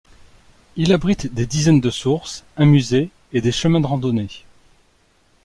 Il abrite des dizaines de sources, un musée et des chemins de randonnée.